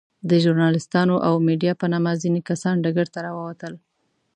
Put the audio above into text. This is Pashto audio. د ژورناليستانو او ميډيا په نامه ځينې کسان ډګر ته راووتل.